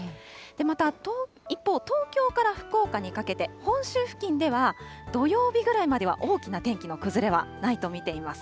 また一方、東京から福岡にかけて、本州付近では、土曜日ぐらいまでは大きな天気の崩れはないと見ています。